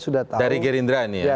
dari gerindra ini ya